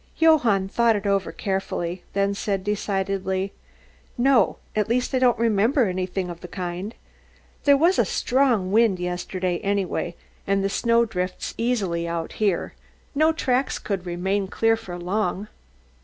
Johann thought it over carefully, then said decidedly, "No. At least I don't remember anything of the kind. There was a strong wind yesterday anyway, and the snow drifts easily out here. No tracks could remain clear for long."